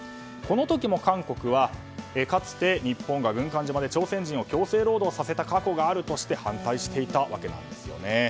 この時も韓国はかつて日本が軍艦島で朝鮮人を強制労働させた過去があるとして反対していたわけなんですね。